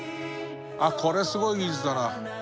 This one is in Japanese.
これすごい技術だな。